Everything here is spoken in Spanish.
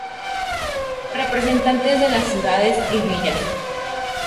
Representantes de las ciudades y Villas.